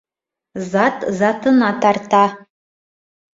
Зат затына тарта.